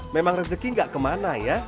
memang rezeki gak kemana ya